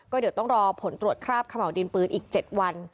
เดี๋ยวต้องรอผลตรวจคราบขม่าวดินปืนอีก๗วัน